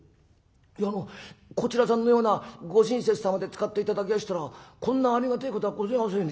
いやあのこちらさんのようなご親切様で使って頂けやしたらこんなありがてえことはごぜえやせん」。